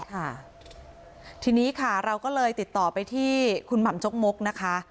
ค่ะทีนี้ค่ะเราก็เลยติดต่อไปที่คุณหม่ำจกมกนะคะ